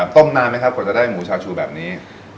ต้มนานไหมครับกว่าจะได้หมูชาชูแบบนี้